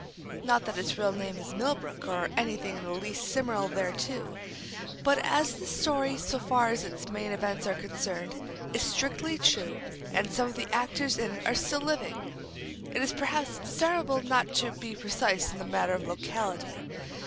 Not that its real name is Millbrook, or any thing in the least similar thereto; but as this story, so far as its main events are concerned, is strictly true, and some of the actors in it are still living, it is perhaps desirable not to be too precise in the matter of locality.